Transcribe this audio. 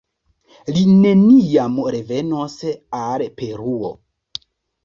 Li neniam revenos al Peruo.